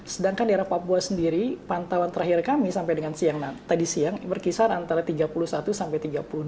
sedangkan di arah papua sendiri pantauan terakhir kami sampai dengan siang tadi siang berkisar antara tiga puluh satu sampai tiga puluh enam